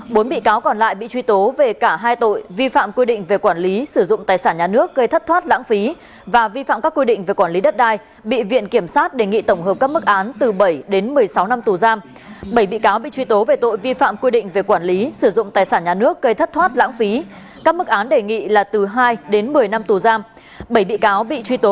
phan văn anh vũ chủ tịch hội đồng quản trị công ty cổ phần xây dựng bảy mươi chín công ty cổ phần bắc nam bảy mươi chín bị viện kiểm sát đề nghị từ một mươi tám đến một mươi chín năm tù về tội vi phạm các quy định về quản lý đất đai sử dụng tài sản nhà nước gây thất thoát lãng phí từ tám đến chín năm tù